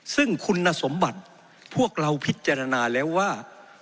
ซึ่งคุณสมบัติพวกเราพิจารณาแล้วว่า